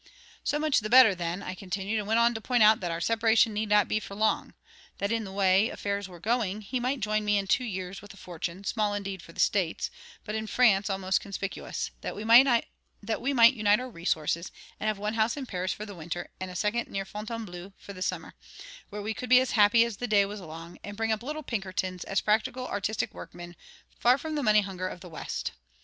So much the better, then, I continued; and went on to point out that our separation need not be for long; that, in the way affairs were going, he might join me in two years with a fortune, small, indeed, for the States, but in France almost conspicuous; that we might unite our resources, and have one house in Paris for the winter and a second near Fontainebleau for summer, where we could be as happy as the day was long, and bring up little Pinkertons as practical artistic workmen, far from the money hunger of the West.